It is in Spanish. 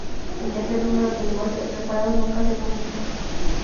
El tercer número, que llegó a ser preparado, nunca se publicó.